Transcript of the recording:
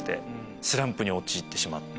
スランプに陥ってしまって。